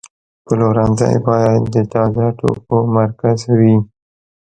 پلورنځی باید د تازه توکو مرکز وي.